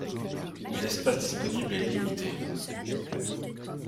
Mais l'espace disponible est limité.